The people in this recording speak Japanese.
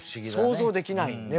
想像できないね